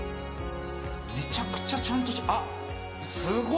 めちゃくちゃちゃんとしてる。